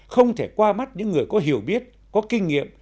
không thể qua mắt những người có hiểu biết có kinh nghiệm